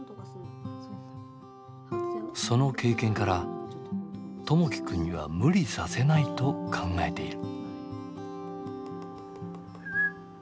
その経験から友輝くんには無理させないと考えている。